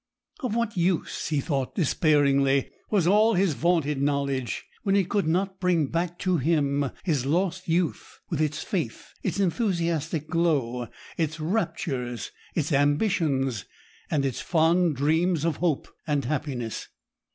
Of what use, he thought despairingly, was all his vaunted knowledge, when it could not bring back to him his lost youth, with its faith, its enthusiastic glow, its raptures, its ambitions, and its fond dreams of hope and happiness?